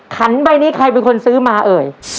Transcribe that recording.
ขันใบนี้ใครเป็นคนซื้อมาเอ่ย